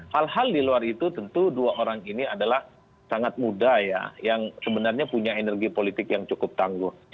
hal hal di luar itu tentu dua orang ini adalah sangat muda ya yang sebenarnya punya energi politik yang cukup tangguh